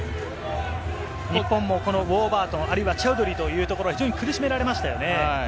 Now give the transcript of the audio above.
日本もウォーバートン、チャウドリーというところは非常に苦しめられましたよね。